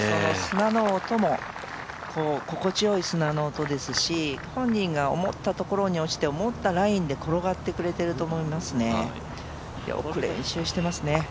砂の音も心地よい砂の音ですし、本人が思ったところに落ちて、思ったラインで転がってくれてると思いますね。